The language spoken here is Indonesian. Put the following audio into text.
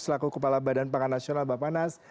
selaku kepala badan pangan nasional bapak nas